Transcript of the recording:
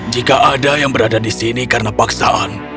jika ada yang berada di sini karena paksaan